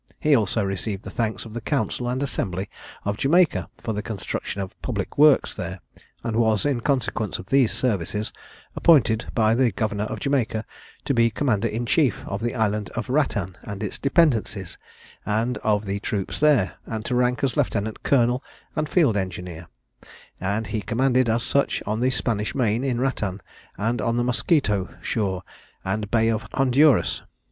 He also received the thanks of the council and assembly of Jamaica, for the construction of public works there, and was, in consequence of these services, appointed, by the governor of Jamaica, to be commander in chief of the island of Rattan and its dependencies, and of the troops there; and to rank as lieutenant colonel and field engineer; and he commanded, as such, on the Spanish Main in Rattan, and on the Musquito shore, and Bay of Honduras.